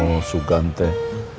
oh sugan teh